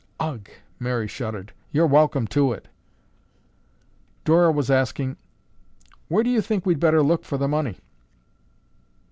"Ugh!" Mary shuddered. "You're welcome to it." Dora was asking, "Where do you think we'd better look for the money?"